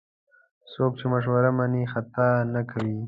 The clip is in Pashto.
څوک چې مشوره مني، خطا نه کوي.